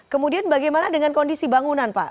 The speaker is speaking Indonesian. kemudian bagaimana dengan kondisi bangunan pak